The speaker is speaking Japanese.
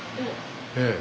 ええ。